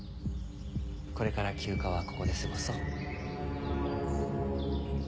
これから休暇はここで過ごそう。